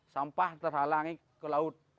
sampah terhalangi ke laut